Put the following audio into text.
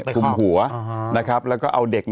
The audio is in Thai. คุมหัวแล้วก็เอาเด็ก